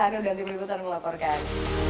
dan tim liputan melaporkan